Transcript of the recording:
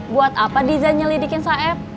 buat apa desain nyelidikin saeb